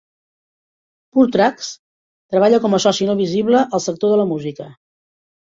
Puretracks treballa com a soci no visible al sector de la música.